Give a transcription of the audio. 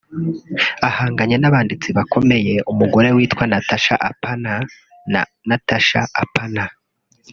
ahanganye n’abanditsi bakomeye umugore witwa Natacha Appanah na Natacha Appanah